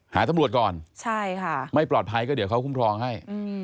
หาตำรวจก่อนใช่ค่ะไม่ปลอดภัยก็เดี๋ยวเขาคุ้มครองให้